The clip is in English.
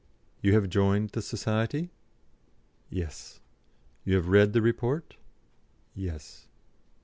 "You have joined the Society?" "Yes." "You have read the report?" "Yes."